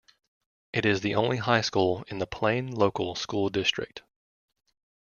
It is the only high school in the Plain Local School District.